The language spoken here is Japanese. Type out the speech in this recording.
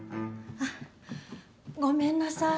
あっごめんなさい。